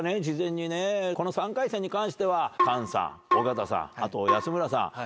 事前にこの３回戦に関しては菅さん尾形さんあと安村さん。